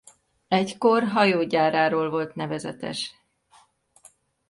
Egykor hajógyáráról volt nevezetes.